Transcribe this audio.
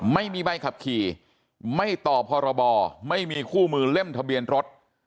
ไม่มีใบขับขี่ไม่ต่อพรบไม่มีคู่มือเล่มทะเบียนรถ